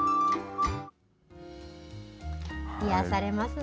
癒やされますね。